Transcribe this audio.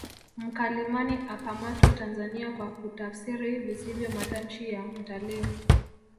Mkalimani akamatwa Tanzania kwa kutafsiri visivyo matamshi ya mtalii